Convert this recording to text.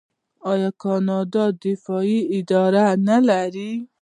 آیا کاناډا د دفاع اداره نلري؟